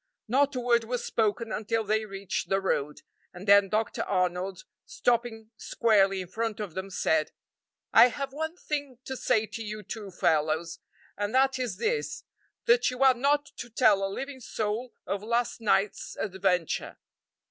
Not a word was spoken until they reached the road, and then Dr. Arnold, stopping squarely in front of them, said: "I have one thing to say to you two fellows, and that is this that you are not to tell a living soul of last night's adventure.